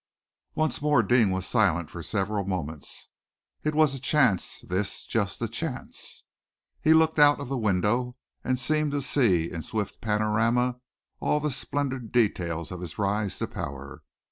Once more Deane was silent for several moments. It was a chance, this, just a chance. He looked out of the window, and he seemed to see in swift panorama all the splendid details of his rise to power.